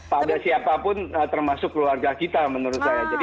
pada siapapun termasuk keluarga kita menurut saya